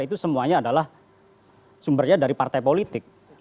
itu semuanya adalah sumbernya dari partai politik